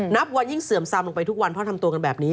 นับวันยิ่งเสื่อมซำลงไปทุกวันเพราะทำตัวกันแบบนี้